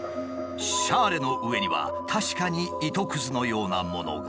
シャーレの上には確かに糸くずのようなものが。